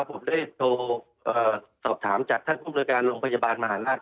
ผมได้โทรสอบถามจากท่านผู้บริการโรงพยาบาลมหาราช